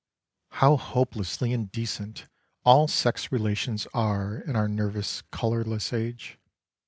How hopelessly indecent all sex relations are in our nervous, colorless age!